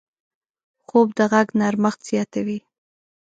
خوب د غږ نرمښت زیاتوي